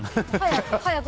早く。